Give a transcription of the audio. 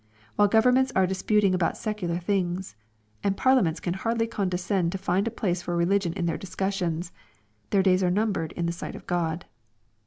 While Goverumentsare disputing about secular things, and FarUaments caa hardily conde i scend to find a place for religion in their discussions^ theif days are numbered in the sight of God.